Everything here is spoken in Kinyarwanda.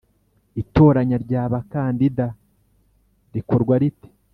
itoranya ryaba kandida rikorwa rite